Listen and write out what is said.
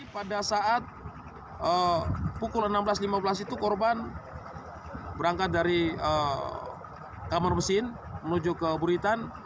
pada saat pukul enam belas lima belas itu korban berangkat dari kamar mesin menuju ke buritan